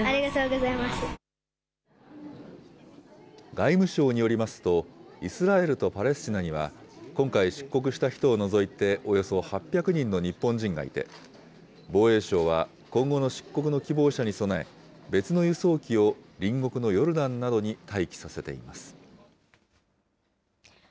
外務省によりますと、イスラエルとパレスチナには今回出国した人を除いて、およそ８００人の日本人がいて、防衛省は今後の出国の希望者に備え、別の輸送機を隣国のヨルダンなどに待機させています。